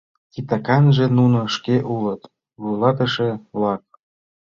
Титаканже нуно шке улыт, вуйлатыше-влак.